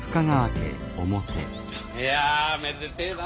いやめでてえな。